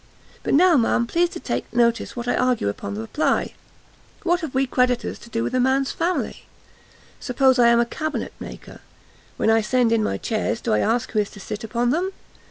But now, ma'am, please to take notice what I argue upon the reply; what have we creditors to do with a man's family? Suppose I am a cabinet maker? When I send in my chairs, do I ask who is to sit upon them?